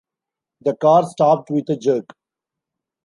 The car stopped with a jerk.